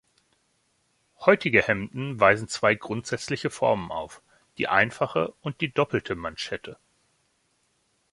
Heutige Hemden weisen zwei grundsätzliche Formen auf: die einfache und die doppelte Manschette.